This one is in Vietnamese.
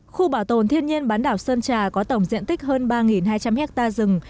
khu bảo tồn thiên nhiên bán đảo sơn trà có tổng diện tích hơn ba hai trăm linh ha rừng